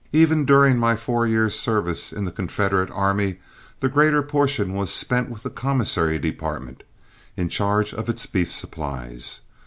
Even during my four years' service in the Confederate army, the greater portion was spent with the commissary department, in charge of its beef supplies.